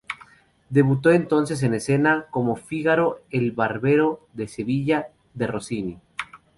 Debutó entonces en escena, como Fígaro en "El barbero de Sevilla" de Rossini.